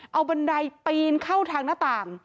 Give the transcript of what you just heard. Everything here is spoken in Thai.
เอาบันไดปีนเข้าทางหน้าต่าง